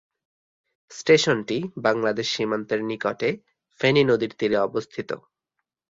স্টেশনটি বাংলাদেশ সীমান্তের নিকটে ফেনী নদীর তীরে অবস্থিত।